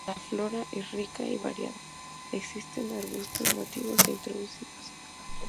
La flora es rica y variada, existen arbustos nativos e introducidos.